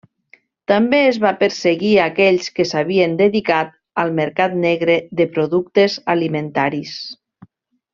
També es va perseguir aquells que s'havien dedicat al mercat negre de productes alimentaris.